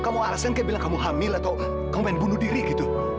pergi pergi pergi